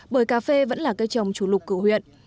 bởi cà phê vẫn là cây trồng chủ lực của huyện